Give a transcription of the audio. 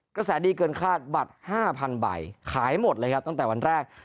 กระแสดีเกินคาดบัตร๕๐๐ใบขายหมดเลยครับตั้งแต่วันแรก